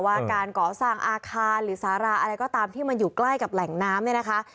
ว่าการก่อสร้างอาคารหรือสาราอะไรก็ตามที่มันอยู่ใกล้กับแหล่งน้ำเนี่ยนะคะ